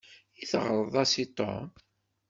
I teɣreḍ-as i Tom?